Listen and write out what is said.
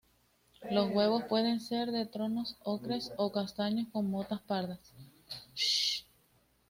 Los huevos pueden ser de tonos ocres a castaños con motas pardas.